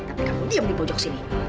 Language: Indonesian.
tapi kamu diam di pojok sini